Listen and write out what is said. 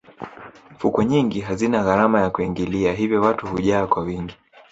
fukwe nyingi hazina gharama ya kuingilia hivyo watu hujaa kwa wingi